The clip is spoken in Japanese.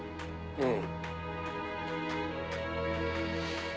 うん。